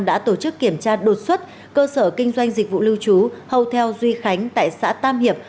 đã tổ chức kiểm tra đột xuất cơ sở kinh doanh dịch vụ lưu trú houthio duy khánh tại xã tam hiệp